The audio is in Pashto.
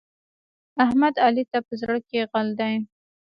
احمد؛ علي ته په زړه کې غل دی.